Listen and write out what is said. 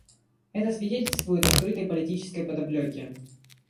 Это свидетельствует о скрытой политической подоплеке.